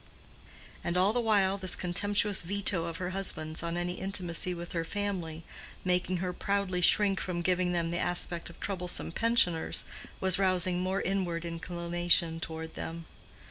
And all the while this contemptuous veto of her husband's on any intimacy with her family, making her proudly shrink from giving them the aspect of troublesome pensioners, was rousing more inward inclination toward them.